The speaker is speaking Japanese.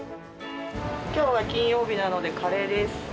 きょうは金曜日なので、カレーです。